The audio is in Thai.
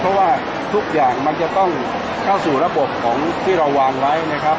เพราะว่าทุกอย่างมันจะต้องเข้าสู่ระบบของที่เราวางไว้นะครับ